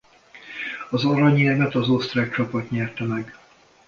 Az aranyérmet az osztrák csapat nyerte meg.